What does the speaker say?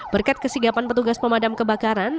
berkat kesigapan petugas pemadam kebakaran